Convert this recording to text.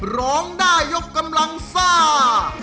ร้องได้ยกกำลังซ่า